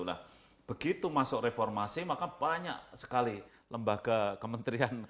nah begitu masuk reformasi maka banyak sekali lembaga kementerian